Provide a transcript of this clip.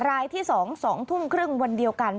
รายที่๒๒ทุ่มครึ่งวันเดียวกัน